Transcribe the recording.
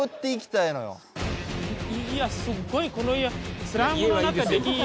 いやすごいこの家。